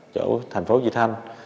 chỗ thành phố di thanh